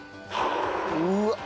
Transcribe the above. うわっ！